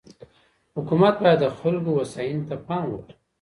حکومت باید د خلګو هوساینې ته پام وکړي.